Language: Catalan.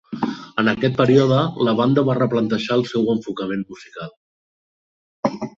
En aquest període la banda va replantejar el seu enfocament musical.